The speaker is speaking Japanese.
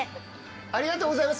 ありがとうございます。